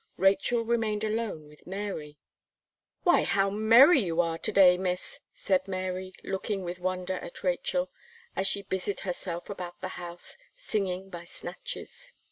Rachel remained alone with Mary. "Why, how merry you are to day, Miss!" said Mary, looking with wonder at Rachel, as she busied herself about the house, singing by snatches.